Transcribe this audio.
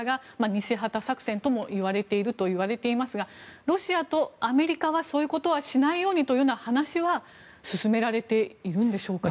偽旗作戦ともいわれているといわれていますがロシアとアメリカはそういうことはしないようにという話は進められているんでしょうか？